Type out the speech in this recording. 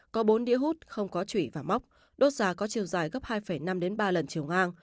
có bốn đĩa hút không có chủy và móc đốt già có chiều dài gấp hai năm đến ba lần chiều ngang